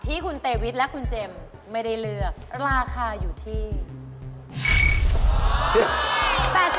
ที่คุณเตวิดคุณจะพูด